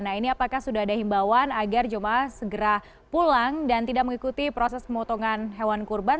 nah ini apakah sudah ada himbawan agar jemaah segera pulang dan tidak mengikuti proses pemotongan hewan kurban